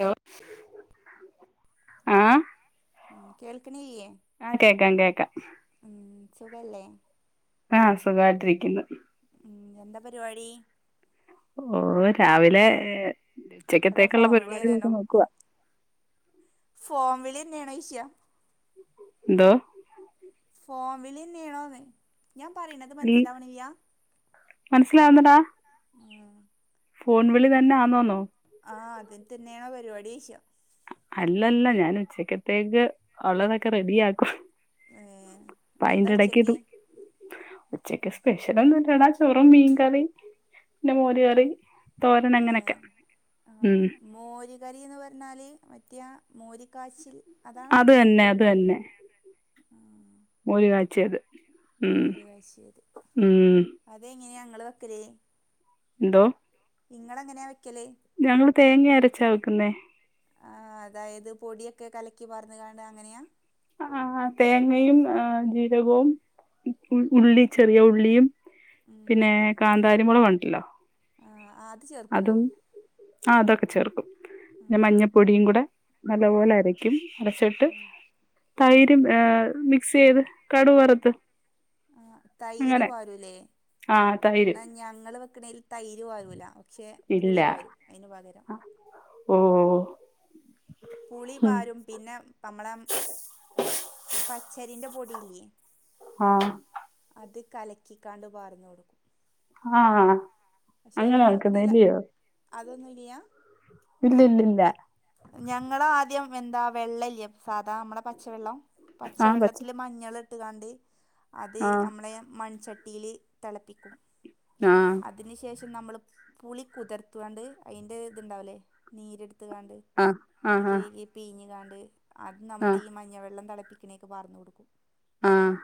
Law ആഹ് കേൾക്കണില്ലേ ആ കേക്കാം ണ്ട് കേക്കാം സുഖല്ലേ ആഹ് സുഖാ യ് ട്ടിരിക്കുന്ന് എന്താ പരിപാടി ഓഹ് രാവിലെ അതോ ഉച്ചക്കത്തേക്കുള്ള ഫോൺ വിളി പരിപാടികാൾ തന്നെയാണോ ക്കെനോകുവ നോക്കുവാ ഫോൺ വിളി ന്നെയാണ്ശ്യ ന്തോ? ഫോവിളിന്നേണോന്ന് ഞാൻ പറീണത് അൽ മനസ്സിലാവണില്ല്യാ? മനസ്സിലാവുന്നടാ. ആഹ് ഫോൺ വിളി തന്നെ ആന്നോന്നോ? ആഹ് അതിൽ തന്നെയാണോ പരിപാടിചോയിച്ച അല്ലല്ല ഞാൻ ഉച്ചക്കത്തേക്ക് ഉള്ളതൊക്കെ റെഡിയാക്കുവാ. ഏ എന്താ ഉച്ചക്ക് അപ്പൊയിന്റെടക്കിതും ഉച്ചയ്ക്ക് സ്പെഷ്യലൊന്നുല്ലടാ ചോറും മീൻകറീം പിന്നെ മോര് കറീം ഏഹ് ഉം ആഹ്. മോര് കറീന്ന് പറഞ്ഞാല് മറ്റയാ മോര്ക്കാച്ചി അത് തന്നെ അത് തന്നെ. ആ മോര് കാച്ചിയത്. ഉം, മോര് കാച്ചിയത് ഉം അതെങ്ങനെയാ ഇങ്ങള് വെക്കല്? ന്തൊ നിങ്ങളെങ്ങനെ വെക്കല്? ഞങ്ങള് തേങ്ങയരച്ചാ വെക്കുന്നേ. ആ അതായത് പൊടിയൊക്കെ കലക്കി പാർന്ന്ങ്ങാണ്ട് അങ്ങനെയാ? ആഹ് തേങ്ങയും ആഹ് ജീരകവും ഉ ഉള്ളി ചെറിയ ഉള്ളിയും ഉം പിന്നെ കാന്താരിമുളകുണ്ടല്ലോ ആ ആ, അത് ചേർക്കുവോ അതും ആ അതൊക്കെ ചേർക്കും. ആ പിന്നെ മഞ്ഞപ്പൊടിയും കൂടെ നല്ലപോലെ അര ക്കും അരച്ചിട്ട് തൈര് ഏഹ് മിക്സെയ്ത് കടുവറുത്ത് ആ തൈര് പാരൂല്ലേ? ആഹ് തൈര് ഇന്നാ ഞങ്ങള് വെക്കണേൽ തൈര് പാരൂല. ക്ഷേ ഇല്ല പുളിപാരും അയിന് പകരം. ഓഹ്. പുളി ഉം പാരും പിന്നെ നമ്മളെ [inaudible] പച്ചരിന്റെ പൊടിയില്ലേ? ആഹ് അത് കലക്കിക്കാണ്ട് പറാർന്നു കൊടുക്കും. ആ ആഹ് അങ്ങനെ വെക്കുന്നല്ലയോ? അതൊന്നുല്ല്യാ? ഇല്ലല്ല ഇല്ല. ഞങ്ങളാദ്യം എന്താ വെള്ളല്ലേ സാധാ നമ്മടെ പച്ചവെള്ളം? ആഹ് പച്ച പച്ചവെള്ളത്തില് മഞ്ഞള് ഇട്ട്ങ്ങാണ്ട് അത് ആഹ് ഞമ്മളെ മൺചട്ടിയില് തെളപ്പിക്കും. മ്മ് അതിന് ശേഷം നമ്മള് പുളി കുതിർത്തുകാണ്ട് അതിൻ്റെ ദ്ണ്ടാവൂല്ലേ? നീരെടുത്തുങ്ങാണ്ട് ആഹ് അത് ആഹ് കയ്കി പീഞ്ഞ്ക്കാണ്ട് അത് ആഹ് ആഹ് നമ്മളീ മഞ്ഞ വെള്ളം തിളപ്പിക്കണീക്ക് പാർന്നൊടുക്കും. ആഹ്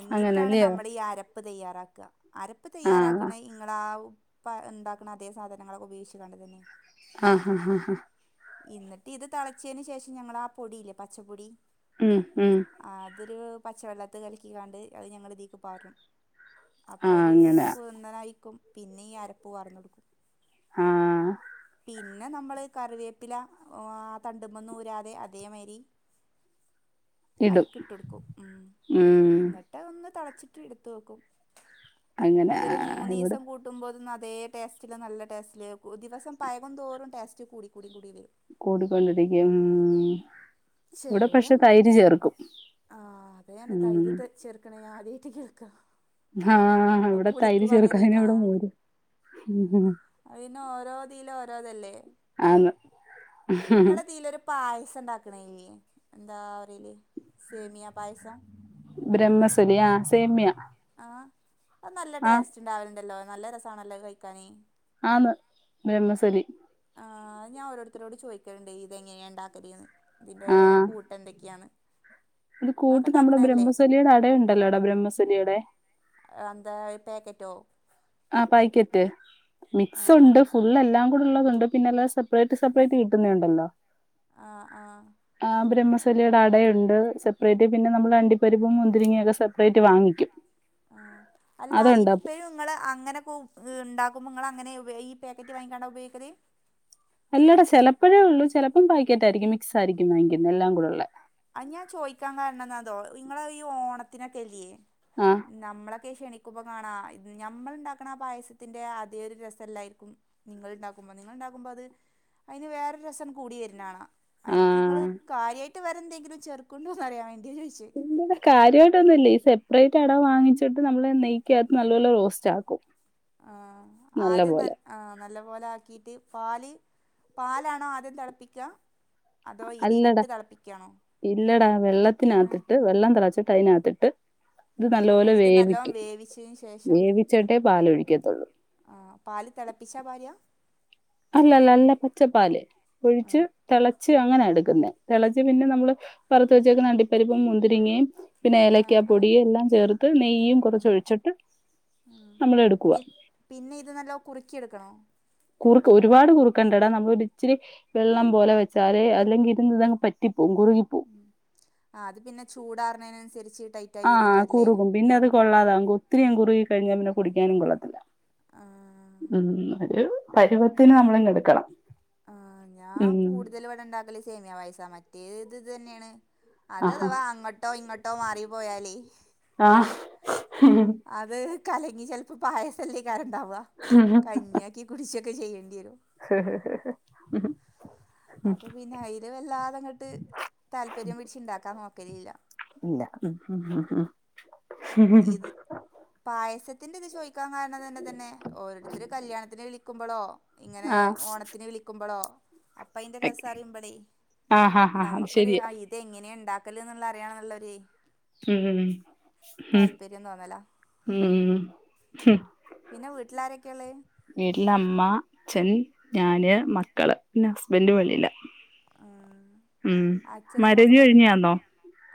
എന്നിട്ടാണ് അങ്ങനല്ലയോ നമ്മളീ അര പ്പ് തയ്യാറാക്ക. അരപ്പ് ആഹ് തയ്യാറാക്കണയ് ഇങ്ങളാ പ ഇണ്ടാക്കണ അതേ സാധനങ്ങളൊക്കെ ഉപയോഗിച്ച്ങ്ങാണ്ടന്നെ ആഹ് ആഹ് ആഹ്. ഇന്നിട്ട് ഇത് തളച്ചതിന് ശേഷം ഞങ്ങളാ പൊടിയില്ലേ പച്ചപ്പൊടി? ഉം ഉം. ആ അതൊരു പച്ചവെള്ളത്ത് കലിക്കിക്കാണ്ട് അത് ഞങ്ങളിതീക്ക് പാരും. ആഹ് അപ്പൊരു അങ്ങനെ കുർന്നനായിക്കും പിന്നീ അരപ്പ് പാർന്നൊടുക്കും. ആഹ്. പിന്നെ നമ്മള് കറിവേപ്പില ആ തണ്ടിമേന്ന് ഊരാതെ അതേമാതിരി ഇടും അയിക്കി ഇട്ടൊടുക്കും ഉം ഉം എന്നിട്ട് ഒന്ന് തിളച്ചിട്ട് എടുത്ത് വെക്കും അങ്ങനെ അതൊരു ഇവിടെ മൂന്നിസം കൂ ടുമ്പോൾ അതേ ടേസ്റ്റില് നല്ല ടേസ്റ്റില് ആകും ദിവസം പഴകും തോറും ടേസ്റ്റ് കൂടി കൂടി കൂടി വരും കൂടിക്കൊണ്ടിരിക്കും ഉം ഉം ചെറൂര അങ്ങ് ആ അതെ തന്നെ ഉം തൈര് ചെറ കേൾക്കണെ ഞാ അതീയായിട്ട് കേൾക്കാ ആഹ് ആ ഇവിടെ പുളിക്ക് തൈര് ചേർക്കും പകരെ അതിന് ഇവിടെ ആഹാ മോരും ആ അത് പിന്നെ ഓരോതീല് ഓരോതല്ലേ ആന്ന് നിങ്ങള തീയിലൊരു പായസം ഉണ്ടാക്കണേ എന്താ പറയല് സേമിയാ പായസം ബ്രഹ്മസലിയാ ആ സേമ്യ ആഹ നല്ല ടേസ്റ്റ് ഉണ്ടാവലുണ്ടല്ലോ നല്ല രസാണല്ലോ കഴിക്കാന് ആന്ന് ബ്രഹ്മസലി ആ അത് ഞാ ഓരോരുത്തരോട് ചോദിക്കണുണ്ട് ഇത് എങ്ങനെയാ ഉണ്ടാക്കല് എന്ന് ഇതിന്റെ കൂട്ട് എന്തൊക്കെയാണ് അത് കൂട്ട് നമ്മുടെ ബ്രഹ്മസലിയുടെ അടയുണ്ടല്ലോടാ ബ്രഹ്മസലിയുടെ എന്താ ഈ പാക്കറ്റോ? ആ പാക്കറ്റ് മിക്സ് ആഹ് ഉണ്ട് ഫു ഇല്ല എല്ലാം കൂടെ ഉള്ളതുണ്ട് പിന്നെല്ലാം സെപ്പറേറ്റ് സെപ്പറേറ്റ് കിട്ടുന്നേയുണ്ടല്ലോ ആഹ് ആഹ് ആ ബ്രഹ്മസലിയുടെ അടയുണ്ട് സെപ്പറേറ്റ് പിന്നെ നമ്മള് അണ്ടിപ്പരിപ്പും മുന്തിരിങ്ങിയൊക്കെ സെപ്പറേറ്റ് വാങ്ങിക്കും ആ അല്ല അതുണ്ട് അപ്പൊ ഇപ്പഴും നിങ്ങള് അങ്ങനെക്കെ ഉണ്ടാകുമ്പോ നിങ്ങൾ അങ്ങനെ ഈ പാക്കറ്റ് വാങ്ങിക്കാണ്ട ഉപയോഗിക്കല് അല്ലടാ ചിലപ്പോഴേ ഉള്ളൂ ചിലപ്പം പാക്കറ്റായിരിക്കും മിക്സായിരിക്കും വാങ്ങിക്കുന്നേ എല്ലാം കൂടെ ഉള്ള അത് ഞാൻ ചോയിക്കാൻ കാരണം എന്നാതോ നിങ്ങള ഈ ഓണത്തിനൊക്കെ ഇല്ലയേ ആഹാ നമ്മളൊക്കെ ഈ ക്ഷണിക്കുമ്പോ കാണാ നമ്മള് ഉണ്ടാക്കണ ആ പായസത്തിന്റെ അതേ ഒരു രസല്ലായിരിക്കും നിങ്ങളുണ്ടാക്കുമ്പോ നിങ്ങളുണ്ടാക്കുമ്പോ അത് അതിന് വേറൊരു രസം കൂടി വരുന്നാണാ ആ അയിക്ക് ഇങ്ങള് കാര്യായിട്ട് വേറെ എന്തെങ്കിലും ചെറുക്കുണ്ടോന്നറിയാൻ വേണ്ടിയാ ചോദിച്ചേ ഇല്ലെടാ കാര്യായിട്ടൊന്നും ഇല്ല ഈ സെപ്പറേറ്റ് അട വാങ്ങിച്ചിട്ട് നമ്മള് നെയ്ക്കകത്ത് നല്ല പോലെ റോസ്റ്റ് ആക്കും ആ ആദ്യം നല്ല നല്ല പോലെ ആക്കിയിട്ട് പാല് പാലാണോ ആദ്യം തിളപ്പിക്കാ അല്ലടാ ഇല്ലടാ ഏ വെള്ളത്തിന്നാത്തിട്ട് വെള്ളം തിളച്ചിട്ട് അതിനാത്തിട്ട് ഇത് ആ നല്ലപോലെ ഇത് നല്ലോണം വേവിക്കും വേവിച്ചതിന് ശേഷം വേവിച്ചട്ടേ പാലൊഴിക്കത്തുള്ളൂ ആ പാല് തിളപ്പിച്ചാ പാര്യാ അല്ലല്ലാ നല്ല പച്ചപ്പാല് ആ ഒഴിച്ച് തിളച്ച് അങ്ങനാ എടുക്കുന്നേ തിളച്ച് പിന്നെ നമ്മള് വറുത്ത് വെച്ചേക്കുന്നേ അണ്ടിപ്പരിപ്പും മുന്തിരിങ്ങയും പിന്നെ ആ ഏലക്ക ആ ആ പൊടിയും എല്ലാം ചേർത്ത് നെയ്യും കുറച്ച് ഒഴിച്ചിട്ട് നമ്മൾ പി എടുക്കുവാ പിന്നെ ഇത് നല്ല കുറുക്കിയെടുക്കണോ കുറുക്ക് ഒരുപാട് കുറുക്കേണ്ടടാ നമ്മള് ഒരു ഇച്ചിരി വെള്ളം പോലെ വെച്ചാലേ അല്ലെങ്കിൽ ഇരുന്ന് ഇതങ്ങ് പറ്റിപ്പോകും കുറുകി പോകും ആ അത് പിന്നെ ചൂടാറിണതിനനുസരിച്ച് ടൈപ് ആ കുറുകും പിന്നെ അത് കൊള്ളാതാകും ഒത്തിരിയും കുറുകി കഴിഞ്ഞാ പിന്നെ കുടിക്കാനും കൊള്ളത്തില്ല ആഹ് ഉം ഒരു പരുവത്തിന് നമ്മളിങ് എടുക്കണം. ആ ഞാൻ ഉം കൂടുതൽ ഇവിടെ ഉണ്ടാക്കല് സേമിയാ പായസാ മറ്റേത് ഇത് തന്നെയാണ് അത് ആഹാ അഥവാ അങ്ങോട്ടോ ഇങ്ങോട്ടോ മാറി പോയാലേ ആഹാ അത് കലങ്ങി ചിലപ്പോ പായസം അല്ലേ ഇണ്ടാവുക കഞ്ഞാക്കി കുടിച്ചൊക്കെ ചെയ്യണ്ടെരും. [unintelligible] അപ്പൊ പിന്നെ അതിൽ വല്ലാത ങ്ങട്ട് താല്പര്യം പിടിച്ചുണ്ടാക്കാൻ നോക്കലില്ല. ഇല്ല ഉ ഉ ഇത് പായസത്തിന്റെ ഇത് ചോയ്ക്കാൻ കാരണം തന്നെ തന്നെ ഓരോരുത്തർ കല്യാണത്തിന് വിളിക്ക വിളിക്കുമ്പളോ ഇങ്ങനെ ആഹ് ഓണത്തിന് വിളിക്കുമ്പളോ അപ്പ അയിന്റെ രസം ഓക്കെ അറിയുമ്പളെ ആഹ് ഹാ ഹാ അത് നമക്കൊരു ശരിയാ ഇത എങ്ങനെ ഇണ്ടാക്കല് ന്നുള്ള അറിയാനുള്ളൊര് താല്പര്യം തോന്നലാ ഉം പിന്നെ വീട്ടിലാരൊക്കെള്ളെ വീട്ടില അമ്മ, അച്ഛൻ, ഞാന്, മക്കള് പിന്നെ ഹസ്ബന്റ് വെളിയിലാ. ഉം മാരേജ് കഴിഞ്ഞാന്നോ?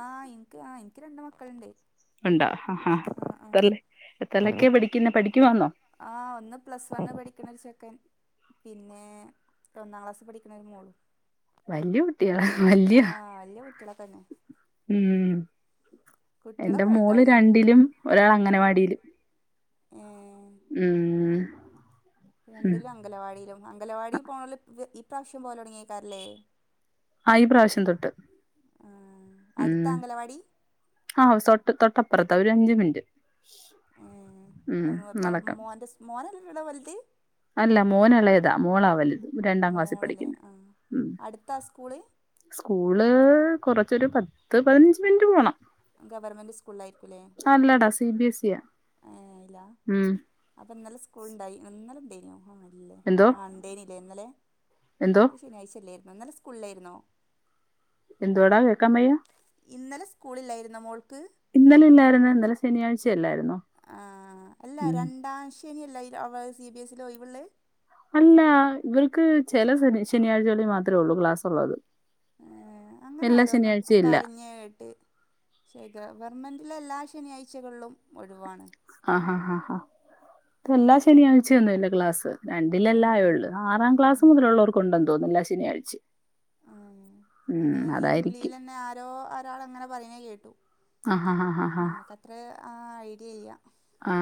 ആഹ് ഇനിക്ക് ആ ഇനിക്ക് രണ്ട് മക്കളുണ്ട്. ഉണ്ടാ ആ എത്രലൊക്കെ പഠിക്ക ന്ന പഠിക്ക് വാന്നോ പിന്നെ ഒരു ചെക്കൻ പിന്നെ ഒന്നാം ക്ലാസ്സ് പഠിക്കണ ഒരു മോളും. വല്യ കുട്ട്യള ആ വല്യ വലിയ കുട്ടികളൊക്കെ തന്നെ ഉം എന്റെ കുട്ടികളൊക്കെ മോള് വലുതായിണ് രണ്ടിലും ഒരാൾ ഉം അങ്ങനവാടിയില് ഏ ഉം ഉം രണ്ടിലും അംഗലവാടിയിലും അങ്കലവാടിൽ പോണോൽ ഈ പ്രാ വശ്യം പോലെ തുടങ്ങിയ്കാരല്ലേ? ആഹ് ഈ പ്രാവശ്യം തൊട്ട് ആ അടുത്ത അംഗലവാടി? ആഹ്തൊട്ട് തൊട്ടപ്പുറത്താ ഒരു അഞ്ച് മിനിറ്റ് ഉം ഇപ്പ നടക്കാം മോന്റെ മോനല്ലട വൽത് അല്ല മോന ഇളയതാ മോളാ വലുത് രണ്ടാം ക്ലാസ്സിൽ മോളില്ലേ പഠിക്കുന്ന ആ ഉ അടുത്താ സ്കൂള് സ്കൂള് കൊറച്ചൊരു പത്ത് പതിനഞ്ച് മിനിറ്റ് പോണം ഗവൺമെന്റ് സ്കൂളായിരിക്കല്ലേ അല്ലടാ സി ബി എസ് ഇയാ ഏ അയില ഉം അപ്പൊ ഇന്നലെ സ്കൂൾ ഉണ്ടായിഇന്നലെ ഇണ്ടായിനോ? അല്ലേ എന്തോ ആ ഇണ്ടേയ്നില്ലേ ഇന്നലെ എന്തോ ശനിയാഴ്ച ഇല്ലായ്ര്ന്നോ. ഇന്നലെ സ്കൂളില്ലായിരുന്നോ? എന്ത് വാടാ കേൾക്കാം വയ്യ. ഇന്നലെ സ്കൂളിലായിരുന്നോ മോൾക്ക്? ഇന്നലെ ഇല്ലായിര്ന്ന്, ഇന്നലെ ശനിയാഴ്ചല്ലായിരുന്നോ. ആ അല്ല രണ്ടാം ശനി അല്ല, സി ബി എസ്സിൽഒഴിവില്ലേ. അല്ല ഇവർക്ക് ചില ശനിയാഴ്ചകളിൽ മാത്രമേ ഉള്ളൂ ക്ലാസ് ഉള്ളത്. ഏ അങ്ങനെ എല്ലാ ആരോന്ന് ശനിയാഴ്ചയും ഇല്ല പറഞ്ഞ്കേട്ട്. ഗവൺമെൻറ്റില് എല്ലാ ശനിയാഴ്ചകളിലും ഒഴിവാണ്. ആ ആ ആ ഹാ എല്ലാ ശനിയാഴ്ചയൊന്നുംല്ല ക്ലാസ്. രണ്ടിലല്ലേ ഏഹ് ആയൊള്ളു. ആറാം ക്ലാസ് ആഹ് മുതലുള്ളവർക്കുണ്ടെന്ന് തോന്നുന്ന് എല്ലാ ശനിയാഴ്ചകളിലും. ആ അങ്ങനെ ഈ വിളിൽന്നെ ആരോ ആരാൾ അങ്ങനെ പറയുന്നേ കേട്ടു ആ ഹാ ആ ആ ആ നമുക്കത്ര ആ ഐഡിയ ഇല്ല ആ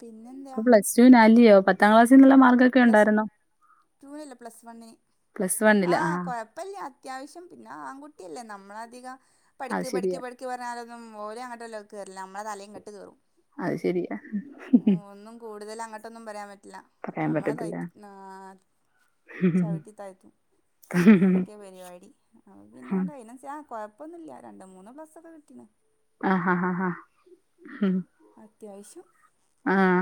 പിന്നെ എന്താ? പ്ലസ്ടു ലാല്യോ പത്താം ക്ലാസിലുള്ള മാർക്ക് പ്ലസ് ടു അല്ല പ്ലസ് വൺ പ്ലസ് വണ്ണില് ആ ആഹ കൊയപ്പല്യ അത്യാവശ്യം പിന്നെ ആൺകുട്ടിയല്ലേ നമ്മള അധികം അത് പഠിക്ക് പഠിക്ക് ശരിയാ പഠിക്ക് എ പറഞ്ഞാലൊന്നുംഓരോ അങ്ങട്ടല്ലെ കേറില്ല നമ്മെ തലേക്ക് കട്ട് കയറും അയ് ശെരിയാ കൂടുതലങ്ങോട്ടൊന്നും പറയാൻ പറ്റില്ല. പറയാൻ ഞമ്മളെ സൈ പറ്റത്തില്ല ചവിട്ടി താഴ്ത്തും അതൊക്കെ പരിപാടി. പിന്നെണ്ട അതിനാൻ ഇപ്പന്നില്ല രണ്ട് മൂന്ന് എപ്ലസ് ഒക്കെ കിട്ടീണ് ആഹ് അത്യാവശ്യം ആഹ്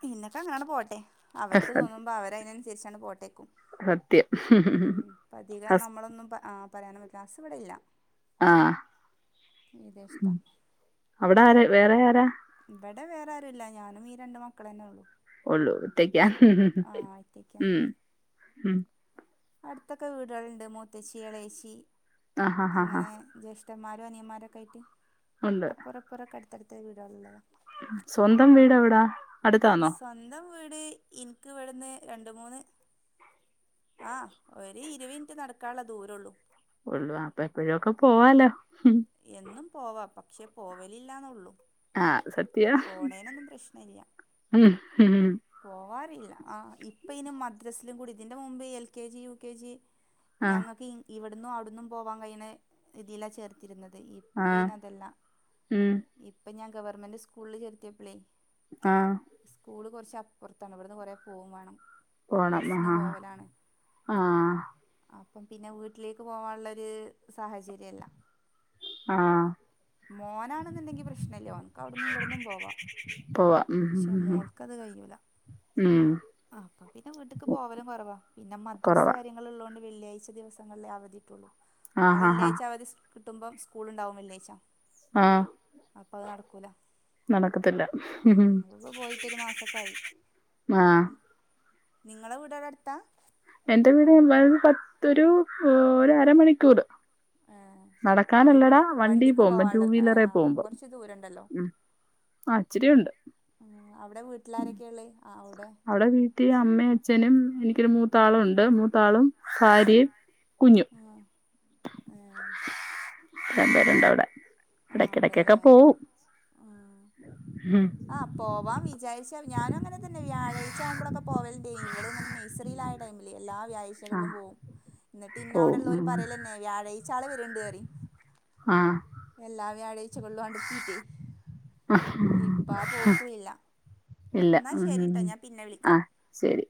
പിന്നൊക്കെ അങ്ങനാണ് പോട്ടെ അവർക്ക് സത്- തോന്നുമ്പോ അവര അതിനനുസരിച്ചാണ് പോട്ടേക്കും സത്യം ഉം അപ്പ അധികം ഹസ് നമ്മളൊന്നും പറയാന ഹസ് ഇവിടെയില്ല ആഹ ഇത് ഇഷ്ടാ അവിടെ ആരാ വേറെ ആരാ ഇവിടെ വേറെ ആരു ഇല്ല ഞാനും ഈ രണ്ട് മക്കള തന്നെ ഉള്ളു ഉള്ളൂ ഒറ്റക്ക ആ ഒറ്റക്കാ ഉം ഉം അടുത്തൊക്കെ വീടുകളുണ്ട് മൂത്തച്ചി ഇളേച്ചി ആ ഹാ ഹാ ഹാ അങ്ങനെ ജ്യേഷ്ഠമാരോ ജേഷ്ഠന്മാര്അനിയന്മാരൊക്കെ ആയിട്ട് ഉണ്ട് അപ്പുറപ്പുറൊക്കെ അടുത്തടുത്ത വീടള്ളതാണ് സ്വന്തം വീട് എവിടാ അടുത്താന്നോ സ്വന്തം വീട് ഇനിക്ക് ഇവിടന്ന് രണ്ട് മൂന്ന് ആ ഒരു ഇരു മിനിറ്റ് നടക്കാനുള്ള ദൂരള്ളൂ [unintelligible] എപ്പഴും ഒക്കെ പോവാലോ എന്നും പോവാ പക്ഷേ പോവലില്ലാന്നുള്ളൂ ആഹ പ്രശ്നല്ല [unintelligible] പോവാറില്ല ആ ഇപ്പ ഇനും മദ്രസിലും കൂടി ഇതിന്റെ മുമ്പ് L K G U K G ആ ഞങ്ങൾക്ക് ഇവിടന്നും അവിടന്നും പോവാൻ കഴിയണ ഇതില്ലാ ചേർത്തിരുന്നത് ഈ ആ ഇപ്പ ഇതിനതല്ല ഉം ഇപ്പൊ ഞാൻ ഗവൺമെന്റ് സ്കൂളിൽ ചെത്തിയപ്പോള് ആഹ സ്കൂൾകുറച്ച് അപ്പുറത്താണ് ഇവിടുന്ന് കൊറ പോകവും വേണം പോണം ബസിന് ആഹ് പോവലാണ് ആഹ് അപ്പം പിന്നെ വീട്ടിലേക്ക് പോവാനുള്ളരു സാഹചര്യല്ല ആ മോനാണെന്നുണ്ടെങ്കി പ്രശ്നമില്ല അവിടന്നും ഇവിടന്നും പോവാം പോവാ ഉ പക്ഷെ ഉം ആ അപ്പ പിന്നെ വീട്ടക്ക് പോവലും കുറവാ പിന്നെ മദ്രസ കൊറവാ കാര്യ [unintelligible] വെള്ളിയാഴ്ച ദിവസങ്ങളിൽ അവധിട്ടുള്ളൂ ആ ആഹ് ആഹ് ആഹ് വെള്ളിയാഴ്ച അവര് കിട്ടുമ്പോ സ്കൂൾ ഉണ്ടാവു വെള്ളിയാഴ്ച്ചാ ആഹ് അപ്പ അത് നടക്കൂല നടക്കത്തില്ല [inaudible] പോയിട്ടരു മാസക്കയി ആഹ് നിങ്ങളെവീട് അവിടെ അടുത്ത എന്റെ വീട് പത്തൊരു ഒരു അരമണിക്കൂർ ഏഹ് വൺ നടക്കാനുള്ളടാ വണ്ടി വണ്ടിക്ക് പോകുമ്പം പോവാള്ള ഏഹ് ടൂവീലറെ അപ്പ പോകുമ്പം കൊറച്ച് ദൂരണ്ടല്ലോ ഉം ആ ഇച്ചിരിയുണ്ട് ഉ അവിടെ വീട്ടിൽ ആരൊക്കെ ഉള്ളത് അവിടെ അവിടെ വീട്ടിൽ അമ്മയും അച്ഛനും എനിക്കൊരു മൂത്താളും ഉണ്ട് മൂത്താളും ഭാര്യയും കുഞ്ഞും ആ അത്രപേരുണ്ട് അവിടെ ഇടക്കിടക്കൊക്കെ പോവും ആ ആഹ പോവാ വിചാരിച്ച ഞാന അങ്ങനെ തന്നെ വ്യാഴാഴ്ചവുമ്പോഴൊക്കെ പോവലണ്ട്ഇവള്ഇങ്ങനെ നഴ്റിയിലയിട്ട് എല്ലാ വാഴ്ചകളില ആഹ് പോവും എന്നിട്ട് ഇന്ന പോവും അവിടെള്ളവര്പറയ പിന്നെ വ്യാഴാഴ്ച ആള് വരുന്നുണ്ട് എന്ന് പറയും ആ എല്ലാവ്യാഴാഴ്ചകളും [unintelligible] ഇപ്പാ ആപോക്കൂല്ല ഇല്ല എന്നാ ശരിട്ടോ ഉം ഞാൻ പിന്നെ ആ വിളിക്കാം ശരി